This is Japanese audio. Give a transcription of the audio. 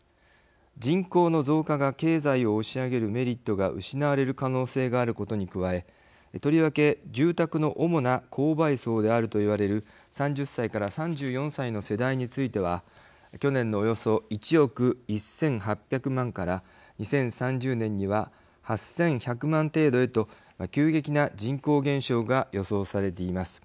人口の増加が経済を押し上げるメリットが失われる可能性があることに加えとりわけ住宅の主な購買層であるといわれる３０歳から３４歳の世代については去年のおよそ１億１８００万から２０３０年には８１００万程度へと急激な人口減少が予想されています。